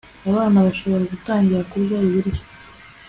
abana bashobora gutangira kurya ibiryo